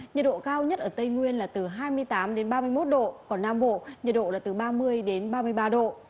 nhiệt độ cao nhất ở tây nguyên là từ hai mươi tám đến ba mươi một độ còn nam bộ nhiệt độ là từ ba mươi đến ba mươi ba độ